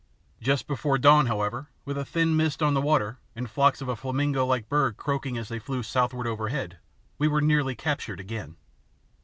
Just before dawn, however, with a thin mist on the water and flocks of a flamingo like bird croaking as they flew southward overhead, we were nearly captured again.